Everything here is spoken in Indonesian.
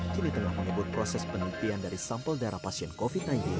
kini tengah mengebut proses penelitian dari sampel darah pasien covid sembilan belas